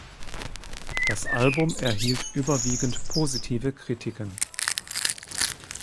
Das Album erhielt überwiegend positive Kritiken.